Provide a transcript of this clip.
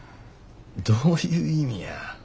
どういう意味や。